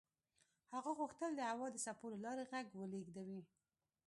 هغه غوښتل د هوا د څپو له لارې غږ ولېږدوي.